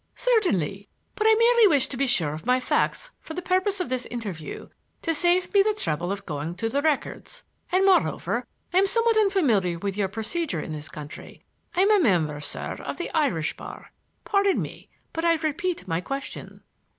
"Certainly. But I merely wish to be sure of my facts for the purpose of this interview, to save me the trouble of going to the records. And, moreover, I am somewhat unfamiliar with your procedure in this country. I am a member, sir, of the Irish Bar. Pardon me, but I repeat my question."